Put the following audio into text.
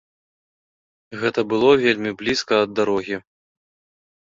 Гэта было вельмі блізка ад дарогі.